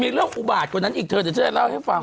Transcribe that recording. อ๋อมีเรื่องอุบาตกว่านั้นอีกเธอจะเล่าให้ฟัง